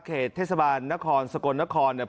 เขตเทศบาลนครสกลนครเนี่ย